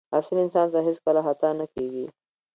اصیل انسان څخه هېڅکله خطا نه کېږي.